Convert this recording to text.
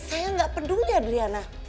saya gak peduli adriana